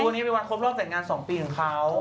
วันนี้เป็นวันครบรอบแต่งงาน๒ปีของเขา